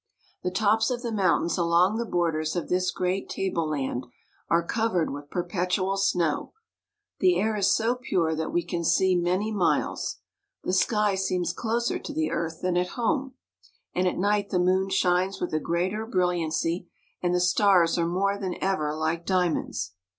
The tops of the mountains along the borders of this great tableland are covered with perpetual snow. The air is so pure that we can see many miles. The sky seems closer to the earth than at home, and at night the moon shines with a greater brilliancy, and the stars are more than ever like diamonds.